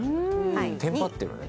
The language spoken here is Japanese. テンパってるね。